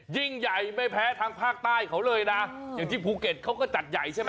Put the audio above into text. ยิ่งใหญ่ไม่แพ้ทางภาคใต้เขาเลยนะอย่างที่ภูเก็ตเขาก็จัดใหญ่ใช่ไหม